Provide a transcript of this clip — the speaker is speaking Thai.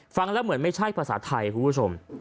ฟังแล้วเหมือนไม่ใช่ภาษาไทยคุณผู้ชม